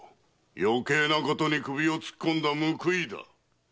余計なことに首を突っ込んだ報いだ！